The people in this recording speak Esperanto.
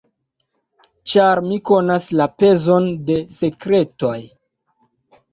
Ĉar mi konas la pezon de sekretoj.